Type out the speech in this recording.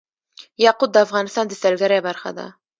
یاقوت د افغانستان د سیلګرۍ برخه ده.